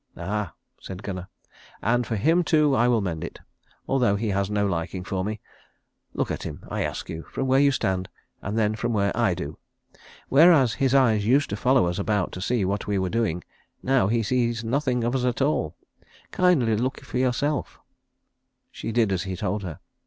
"Ah," said Gunnar, "and for him too I will mend it, though he has no liking for me. Look at him, I ask you, from where you stand, and then from where I do. Whereas his eyes used to follow us about to see what we were doing, now he sees nothing of us at all. Kindly look for yourself." She did as he told her.